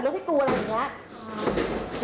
ละรถอะไรจอดความล่าง